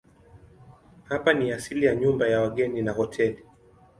Hapa ni asili ya nyumba ya wageni na hoteli.